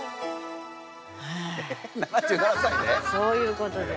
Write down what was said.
そういうことじゃ。